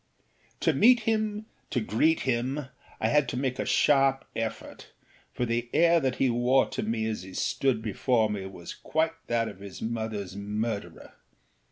To meet him, to greet him, I had to make a sharp effort; for the air that he wore to me as he stood before me was quite that of his motherâs murderer.